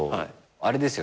あれですよ